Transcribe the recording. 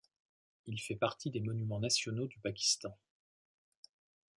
Il fait partie des monuments nationaux du Pakistan.